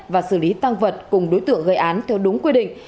và xử lý tăng vật cùng đối tượng gây án theo đúng quy định